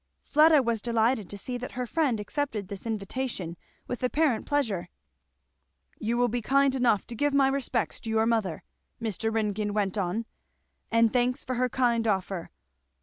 Fleda was delighted to see that her friend accepted this invitation with apparent pleasure. "You will be kind enough to give my respects to your mother," Mr. Ringgan went on, "and thanks for her kind offer.